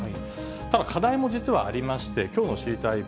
ただ課題も実はありまして、きょうの知りたいッ！